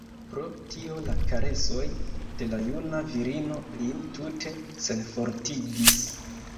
Pro tio la karesoj de la juna virino lin tute senfortigis.